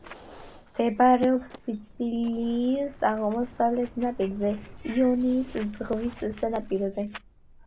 მდებარეობს სიცილიის აღმოსავლეთ ნაპირზე, იონიის ზღვის სანაპიროზე.